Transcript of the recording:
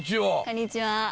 こんにちは。